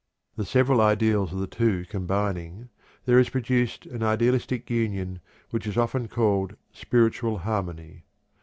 The several ideals of the two combining, there is produced an idealistic union, which is often called "spiritual harmony."